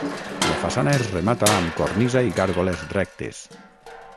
La façana es remata amb cornisa i gàrgoles rectes.